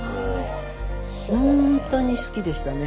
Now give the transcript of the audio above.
本当に好きでしたね。